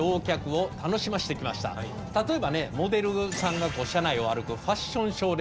例えばねモデルさんが車内を歩くファッションショー列車とかね。